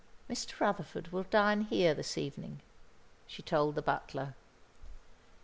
"Mr. Rutherford will dine here this evening," she told the butler.